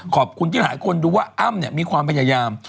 ขอบคุณที่หลายคนดูว่าอ้ำเนี่ยมีความพยายาม